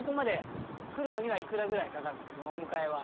そのお迎えは。